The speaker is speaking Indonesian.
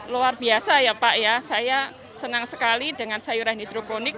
luar biasa ya pak ya saya senang sekali dengan sayuran hidroponik